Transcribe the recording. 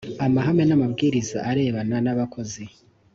amahame n amabwiriza arebana n abakozi